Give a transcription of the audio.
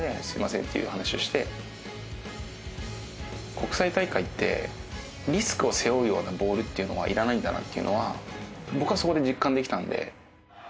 国際大会ってリスクを背負うようなボールっていうのはいらないんだなっていうのは僕はそこで実感できたんで。